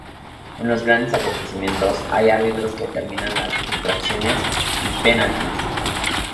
En los grandes acontecimientos hay árbitros que determinan las infracciones y penaltis.